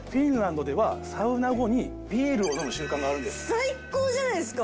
最っ高じゃないすか。